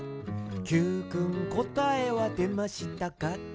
「Ｑくんこたえはでましたか？」